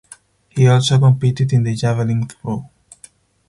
He also competed in the javelin throw.